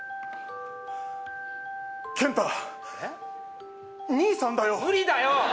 健太兄さんだよ無理だよ！